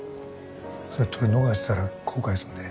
それ撮り逃したら後悔すんで。